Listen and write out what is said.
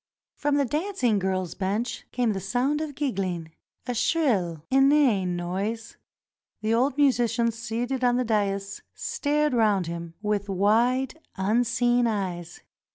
From the dancing girls' bench came the sound of giggling — a shrill, inane noise. The old musician seated on the dais stared round him with wide, unseeing eyes.